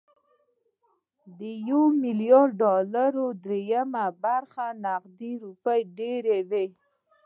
د يو ميليارد ډالرو درېيمه برخه نغدې روپۍ ډېرې وي